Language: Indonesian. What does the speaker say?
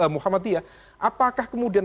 muhammadiyah apakah kemudian